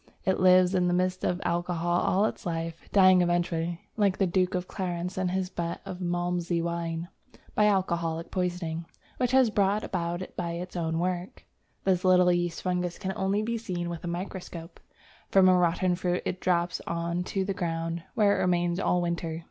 It lives in the midst of alcohol all its life, dying eventually (like the Duke of Clarence in his butt of Malmsey wine) by alcoholic poisoning, which it has brought about by its own work. This little yeast fungus can only be seen with a microscope. From a rotten fruit it drops on to the ground, where it remains all winter.